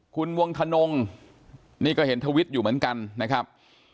คุณวงธนงนี่ก็เห็นทวิตอยู่เหมือนกันนะครับ